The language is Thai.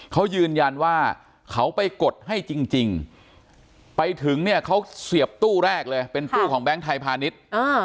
เขายืนยันว่าเขาไปกดให้จริงไปถึงเนี่ยเขาเสียบตู้แรกเลยเป็นตู้ของแบงค์ไทยพาณิชย์